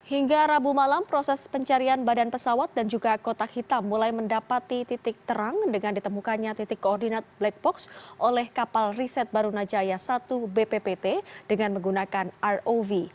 hingga rabu malam proses pencarian badan pesawat dan juga kotak hitam mulai mendapati titik terang dengan ditemukannya titik koordinat black box oleh kapal riset barunajaya satu bppt dengan menggunakan rov